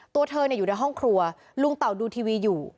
ตัวเธออยู่ในห้องครัวลุงเต่าดูทีวีอยู่